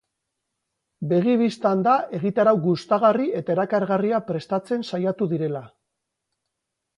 Begi bistan da egitarau gustagarri eta erakargarria prestatzen saiatu direla.